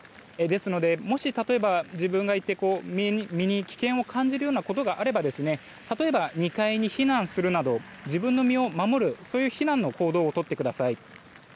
ですのでもし例えば自分の身に危険を感じるようなことがあれば例えば２階に避難するなど自分の身を守る避難の行動をとってください。